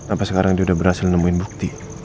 sampai sekarang dia udah berhasil nemuin bukti